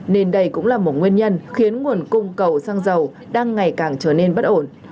nên đây cũng là một nguyên nhân khiến nguồn cung cầu xăng dầu đang ngày càng trở nên bất ổn